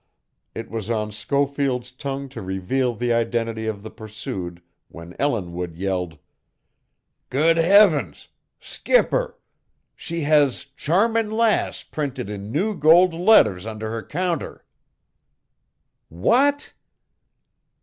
It was on Schofield's tongue to reveal the identity of the pursued when Ellinwood yelled: "Good Heavens! Skipper! She has Charming Lass printed in new gold letters under her counter!" "What?"